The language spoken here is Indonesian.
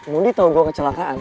mondi tahu gue kecelakaan